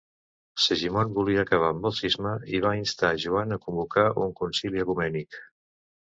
Segimon volia acabar amb el cisma i va instar Joan a convocar un concili ecumènic.